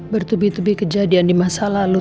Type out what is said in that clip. bertubi tubi kejadian di masa lalu